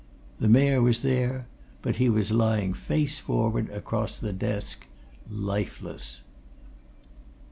The Mayor was there, but he was lying face forward across the desk lifeless.